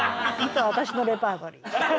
「糸」は私のレパートリー。